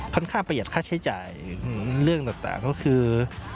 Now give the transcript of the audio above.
ค่าประหยัดค่าใช้จ่ายเรื่องต่างก็คือ